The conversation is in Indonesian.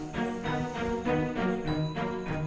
gak ada yang entar